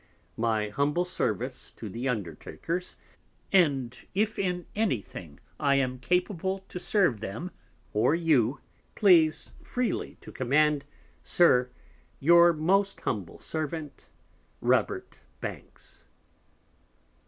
My humble Service to the Undertakers: and if in any thing I am capable to serve them or you, please freely to command, SIR, Your most humble Servant, Ro. Banks.